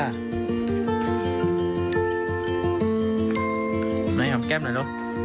หน่อยหับแก้มหน่อยลูก